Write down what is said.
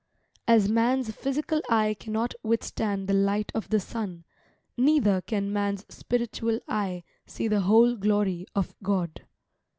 As man's physical eye cannot withstand the light of the sun, neither can man's spiritual eye see the whole glory of God.